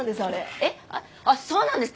えっそうなんですか？